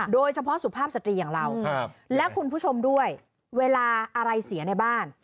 โดยเฉพาะสุภาพสตรีอย่างเราและคุณผู้ชมด้วยเวลาอะไรเสียในบ้าน